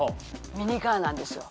ミニカーなんですよ。